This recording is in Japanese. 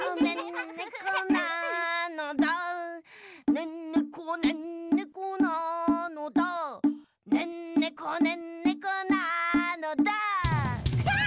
「ねんねこねんねこなのだねんねこねんねこなのだ」わあ！